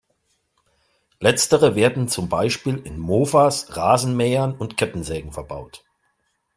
Letztere werden zum Beispiel in Mofas, Rasenmähern und Kettensägen verbaut.